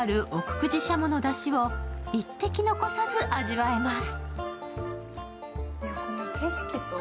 久慈しゃものだしを一滴残さず味わえます。